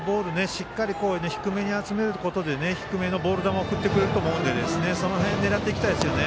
しっかり低めに集めることで低めのボール球を振ってくれると思うのでその辺を狙っていきたいですよね。